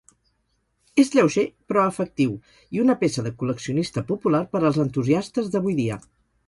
És lleuger però efectiu, i una peça de col·leccionista popular per als entusiastes d'avui dia.